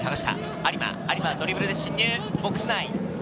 有馬、ドリブルで進入、ボックス内。